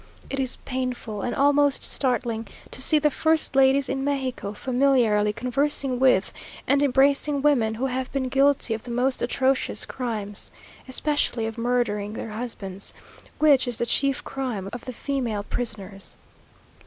It is painful and almost startling to see the first ladies in Mexico familiarly conversing with and embracing women who have been guilty of the most atrocious crimes; especially of murdering their husbands; which is the chief crime of the female prisoners.